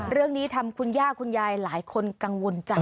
เรื่องนี้ทำคุณย่าคุณยายหลายคนกังวลใจ